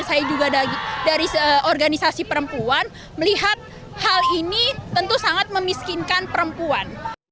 saya juga dari organisasi perempuan melihat hal ini tentu sangat memiskinkan perempuan